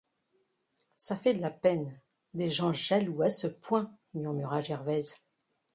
Ça fait de la peine, des gens jaloux à ce point, murmura Gervaise.